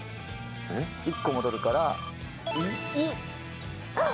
１個戻るからイ？